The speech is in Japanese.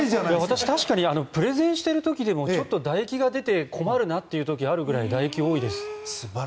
私、確かにプレゼンしている時でもちょっとだ液が出て困るなという時があるくらいだ液、多いです。